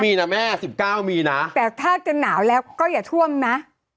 มีนะแม่สิบเก้ามีนะแต่ถ้าจะหนาวแล้วก็อย่าท่วมนะ